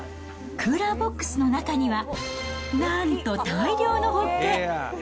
クーラーボックスの中にはなんと大量のホッケ。